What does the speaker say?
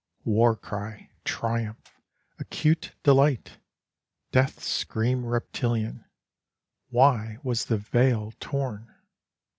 War cry, triumph, acute delight, death scream reptilian, Why was the veil torn?